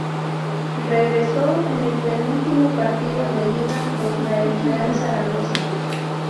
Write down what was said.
Regresó en el penúltimo partido de Liga, contra el Real Zaragoza.